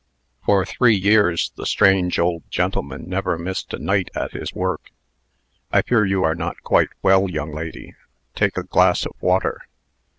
For three years the strange old gentleman never missed a night at his work. I fear you are not quite well, young lady. Take a glass of water."